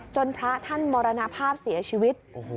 พระท่านมรณภาพเสียชีวิต